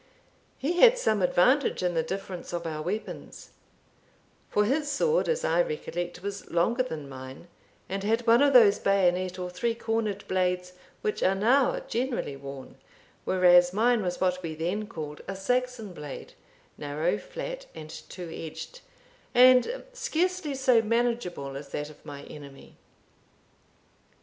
He had some advantage in the difference of our weapons; for his sword, as I recollect, was longer than mine, and had one of those bayonet or three cornered blades which are now generally worn; whereas mine was what we then called a Saxon blade narrow, flat, and two edged, and scarcely so manageable as that of my enemy.